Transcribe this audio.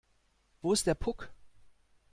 Wo ist der Puck?